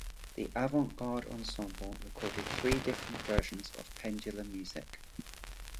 The Avant-Garde Ensemble recorded three different versions of "Pendulum Music".